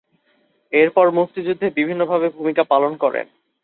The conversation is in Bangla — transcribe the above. এরপর মুক্তিযুদ্ধে বিভিন্নভাবে ভূমিকা পালন করেন।